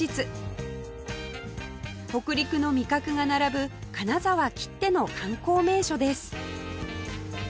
北陸の味覚が並ぶ金沢きっての観光名所です